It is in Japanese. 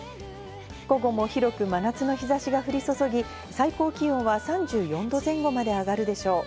午後も広く真夏の日差しが降り注ぎ、最高気温は３４度前後まで上がるでしょう。